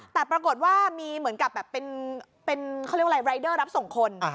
แต่ปรากฏว่ามีเหมือนกับแบบเป็นเขาเรียกว่าอะไรรายเดอร์รับส่งคน